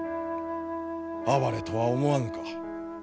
哀れとは思わぬか。